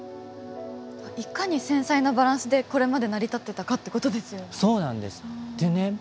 いかに繊細なバランスでこれまで成り立ってたかってことですよね。